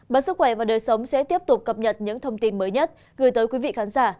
báo sức khỏe và đời sống sẽ tiếp tục cập nhật những thông tin mới nhất gửi tới quý vị khán giả